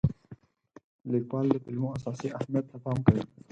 لیکوال د کلمو اساسي اهمیت ته پام کوي.